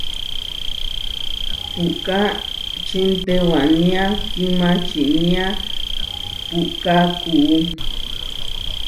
Puʼká čintewaniá kímačinía puʼkákuú.